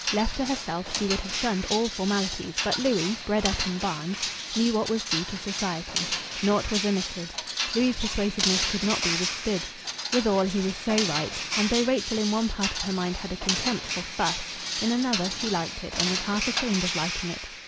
Left to herself she would have shunned all formalities; but Louis, bred up in Barnes, knew what was due to society. Naught was omitted. Louis' persuasiveness could not be withstood. Withal, he was so right. And though Rachel in one part of her mind had a contempt for "fuss," in another she liked it and was half ashamed of liking it.